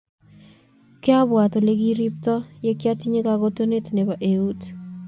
Kiabwaat ole kiriipto ye kingotinye kagotonet nebo eut.